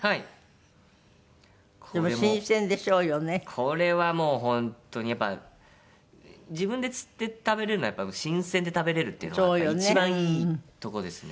これはもう本当にやっぱ自分で釣って食べられるのは新鮮で食べられるっていうのがやっぱ一番いいとこですね。